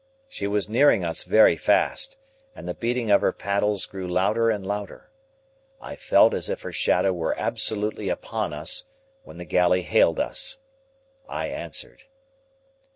She was nearing us very fast, and the beating of her peddles grew louder and louder. I felt as if her shadow were absolutely upon us, when the galley hailed us. I answered.